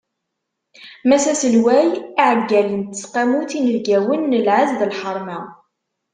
Mass Aselway, iɛeggalen n tesqamut inebgawen n lɛez d lḥerma.